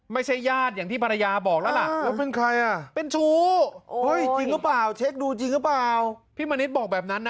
ไม่ใช่ญาติอย่างที่ภรรยาบอกแล้วล่ะ